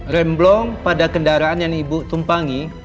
remblong pada kendaraan yang ibu tumpangi